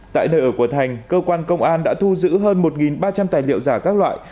tại nơi ở của thành cơ quan công an đã thu giữ hơn một ba trăm linh tài liệu giả các loại